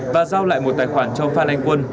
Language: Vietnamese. và giao lại một tài khoản cho phan anh quân